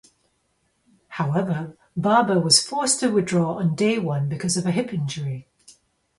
However, Barber was forced to withdraw on day one because of a hip injury.